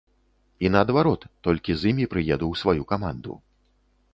І наадварот, толькі з імі прыеду ў сваю каманду.